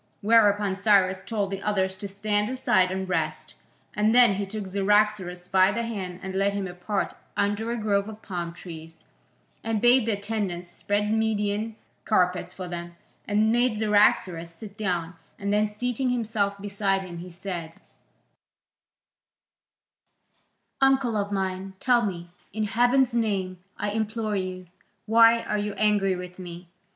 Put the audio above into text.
Whereupon Cyrus told the others to stand aside and rest, and then he took Cyaxares by the hand and led him apart under a grove of palm trees, and bade the attendants spread Median carpets for them, and made Cyaxares sit down, and then, seating himself beside him, he said: "Uncle of mine, tell me, in heaven's name, I implore you, why are you angry with me?